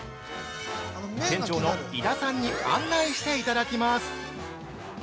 店長の井田さんに案内していただきます。